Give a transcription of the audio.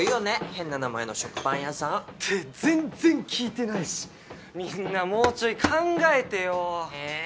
変な名前の食パン屋さんって全然聞いてないしみんなもうちょい考えてよええー？